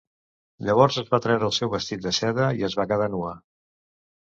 Llavors es va treure el seu vestit de seda i es va quedar nua.